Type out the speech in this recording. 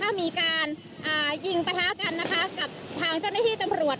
ผ่านมามีการยิงประท้ากันกับทางเจ้าหน้าที่ตำรวจ